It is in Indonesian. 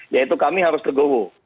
yaitu kami harus tergowo